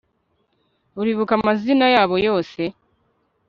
uribuka amazina yabo yose